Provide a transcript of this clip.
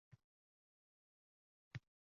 Kimga nima yoqishini bilib oling, qizim